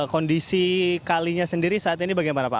kondisi kalinya sendiri saat ini bagaimana pak